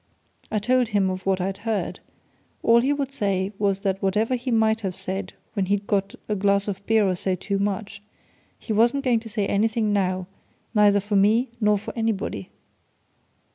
I told him of what I'd heard. All he would say was that whatever he might have said when he'd got a glass of beer or so too much, he wasn't going to say anything now neither for me nor for anybody!"